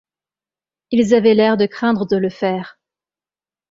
Ils avaient l'air de craindre de le faire.